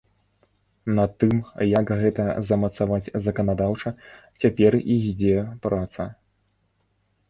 Над тым, як гэта замацаваць заканадаўча, цяпер і ідзе праца.